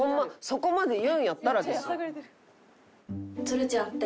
そこまで言うんやったらですよ。